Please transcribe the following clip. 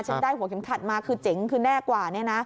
ได้หัวเข็มขัดมาคือเจ๋งคือแน่กว่า